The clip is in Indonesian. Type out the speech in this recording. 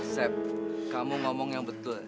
sep kamu ngomong yang betul